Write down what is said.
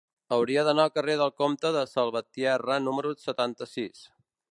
Hauria d'anar al carrer del Comte de Salvatierra número setanta-sis.